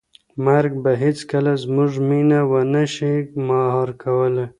مرګ به هیڅکله زموږ مینه ونه شي مهار کولی.